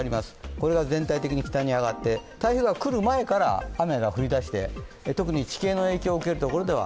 これが全体的に北に上がって台風が来る前から雨が降りだして、特に地形の影響を受けるところでは